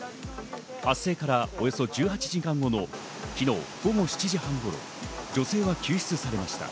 発生からおよそ１８時間後の昨日午後７時半頃、女性は救出されました。